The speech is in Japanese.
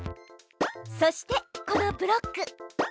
そしてこのブロック。